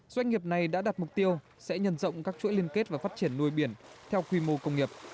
doanh nghiệp này đã đặt mục tiêu sẽ nhận rộng các chuỗi liên kết và phát triển nuôi biển theo quy mô công nghiệp